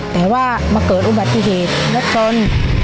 แต่ว่ามาเกิดอุบัติศิษย์และชน